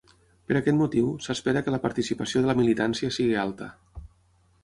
Per aquest motiu, s’espera que la participació de la militància sigui alta.